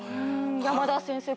山田先生